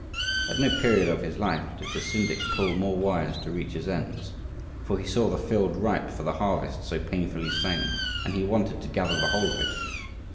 At no period of his life did the syndic pull more wires to reach his ends, for he saw the field ripe for the harvest so painfully sown, and he wanted to gather the whole of it.